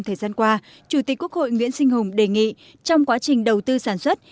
thời gian qua chủ tịch quốc hội nguyễn sinh hùng đề nghị trong quá trình đầu tư sản xuất